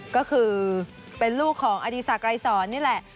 ก็เป็นลูกของอาริษากัยสอนนั่นแหละ